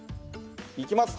いきます。